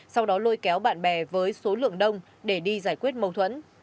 sau đó lôi kéo bạn bè với số lượng đông để đi giải quyết mâu thuẫn